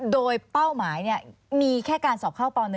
โดยเป้าหมายมีแค่การสอบเข้าป๑